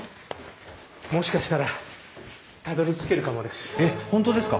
もしかしたらたどりつけるかもです。